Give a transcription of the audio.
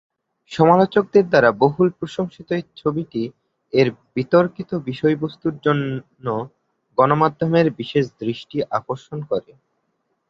সমালোচকদের দ্বারা বহুল প্রশংসিত এই ছবিটি এর বিতর্কিত বিষয়বস্তুর জন্য গণমাধ্যমের বিশেষ দৃষ্টি আকর্ষণ করে।